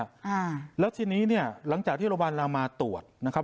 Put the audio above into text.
อ่าแล้วทีนี้เนี่ยหลังจากที่โรงพยาบาลลามาตรวจนะครับ